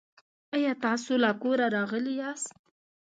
آیا تاسو له کوره راغلي یاست؟